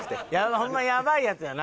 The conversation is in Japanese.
ホンマやばいヤツやな。